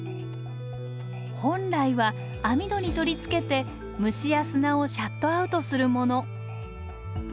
本来は網戸に取り付けて虫や砂をシャットアウトするもの。